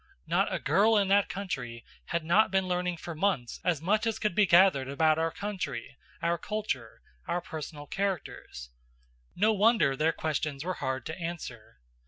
Not a girl in that country had not been learning for months as much as could be gathered about our country, our culture, our personal characters. No wonder their questions were hard to answer.